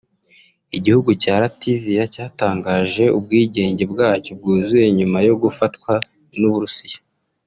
Igihugu cya Latvia cyatangaje ubwigenge bwacyo bwuzuye nyuma yo gufatwa n’uburusiya